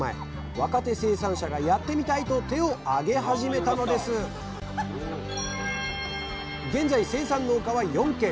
若手生産者がやってみたいと手を挙げ始めたのです現在生産農家は４軒。